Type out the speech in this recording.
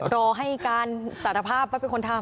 รอให้การสารภาพว่าเป็นคนทำ